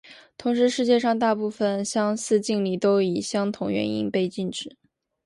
同时世界上大部份相似敬礼都以相同原因被禁止。